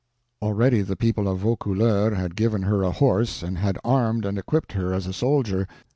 Already the people of Vaucouleurs had given her a horse and had armed and equipped her as a soldier.